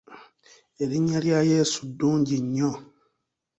Erinnya lya Yesu ddungi nnyo.